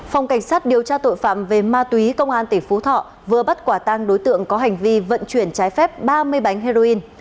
phòng cảnh sát điều tra tội phạm về ma túy công an tỉnh phú thọ vừa bắt quả tang đối tượng có hành vi vận chuyển trái phép ba mươi bánh heroin